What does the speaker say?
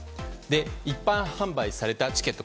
一般販売されたチケット